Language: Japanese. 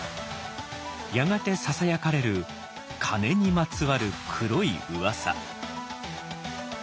やがてささやかれる金にまつわる黒い噂。